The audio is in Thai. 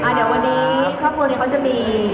เดี๋ยววันนี้ครอบครัวจะมี